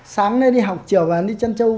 sáng nó đi học chiều mà nó đi chân trâu